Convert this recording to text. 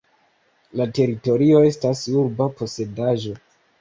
La teritorio estas urba posedaĵo.